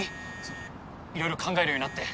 そのいろいろ考えるようになって。